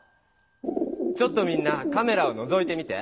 ちょっとみんなカメラをのぞいてみて。